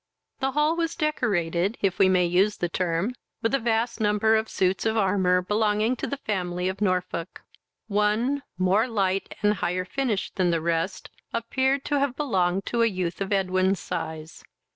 This hall was decorated, if we may use the term, with a vast number of suits of armour, belonging to the family of Norfolk. One, more light and higher finished than the rest, appeared to have belonged to a youth of Edwin's size.